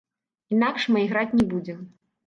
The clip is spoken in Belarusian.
Інакш мы іграць не будзем.